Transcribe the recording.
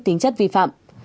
tính chất vi phạm